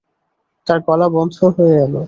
তাঁর গলা বন্ধ হয়ে এল।